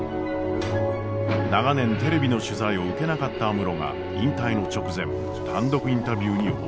長年テレビの取材を受けなかった安室が引退の直前単独インタビューに応じた。